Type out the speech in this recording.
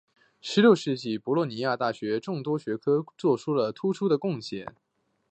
十六世纪的博洛尼亚大学在众多学科上做出了突出的贡献。